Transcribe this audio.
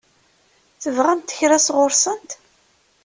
Tebɣamt kra sɣur-sent?